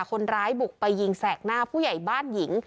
คนร้ายบุกไปยิงแสกหน้าผู้ใหญ่บ้านหญิง